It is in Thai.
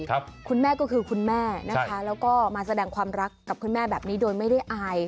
คุณแม่ก็คือคุณแม่นะคะแล้วก็มาแสดงความรักกับคุณแม่แบบนี้โดยไม่ได้อาย